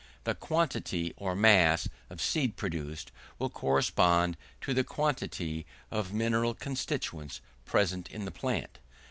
The quantity, or mass of seed produced, will correspond to the quantity of mineral constituents present in the plant.